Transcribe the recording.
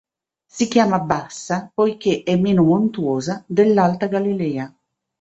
Si chiama "Bassa" poiché è meno montuosa dell'Alta Galilea.